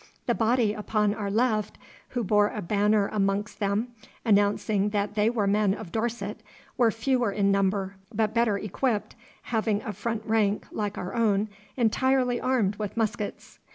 The body upon our left, who bore a banner amongst them announcing that they were men of Dorset, were fewer in number but better equipped, having a front rank, like our own, entirely armed with muskets.